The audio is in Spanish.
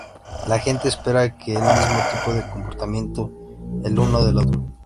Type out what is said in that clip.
La gente espera que el mismo tipo de comportamiento el uno del otro.